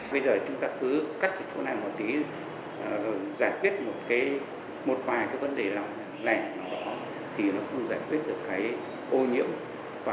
bây giờ chúng ta cứ cắt chỗ này một tí giải quyết một vài vấn đề lẻ thì nó không giải quyết được